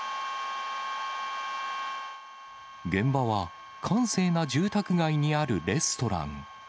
現場は、閑静な住宅街にあるレストラン。